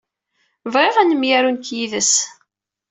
Bɣiɣ ad nemyaru nekk yid-s.